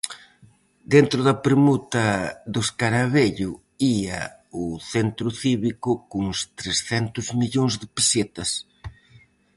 Dentro da permuta do Escaravello ía o centro cívico cuns trescentos millóns de pesetas.